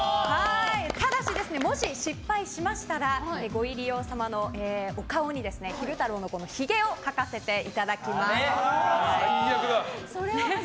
ただし、もし失敗しましたらご入り用様のお顔に昼太郎のひげを描かせていただきます。